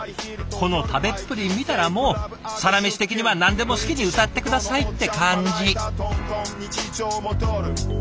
この食べっぷり見たらもう「サラメシ」的には何でも好きに歌って下さいって感じ。